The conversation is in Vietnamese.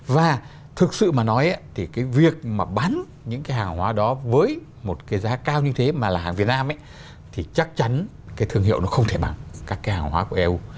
và thực sự mà nói thì cái việc mà bán những cái hàng hóa đó với một cái giá cao như thế mà là hàng việt nam thì chắc chắn cái thương hiệu nó không thể bằng các cái hàng hóa của eu